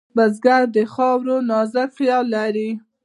بزګر د خاورو نازک خیال لري